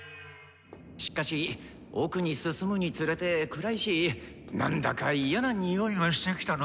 しっかし奥に進むにつれて暗いし何だかイヤなニオイがしてきたな。